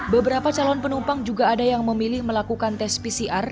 beberapa calon penumpang juga ada yang memilih melakukan tes pcr